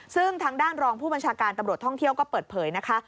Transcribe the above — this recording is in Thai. ซึ่งทางด้านรองผู้บัญชาการตำรวจท่องเที่ยวก็เปิดเผยนะคะ